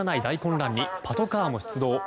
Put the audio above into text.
大混乱にパトカーも出動。